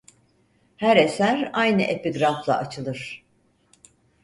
Her eser aynı epigrafla açılır.